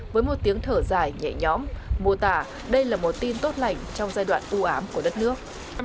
với một tiếng thở dài nhẹ nhõm mô tả đây là một tin tốt lành trong giai đoạn ưu ám của đất nước